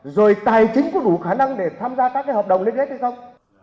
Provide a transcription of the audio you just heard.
rồi tài chính có đủ khả năng để tham gia các cái hợp đồng liên kết hay không